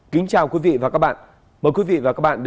kính chào quý vị và các bạn